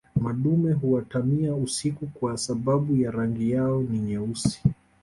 madume huatamia usiku kwa sababu ya rangi yao ni nyeusi